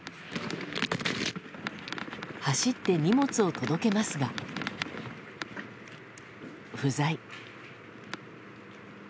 走って荷物を届けますが、不在。